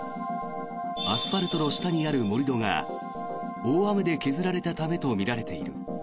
アスファルトの下にある盛り土が大雨で削られたためとみられている。